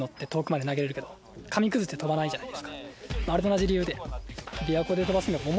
あれと同じ理由で。